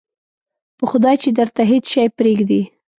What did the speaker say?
په خدای چې درته هېڅ شی پرېږدي.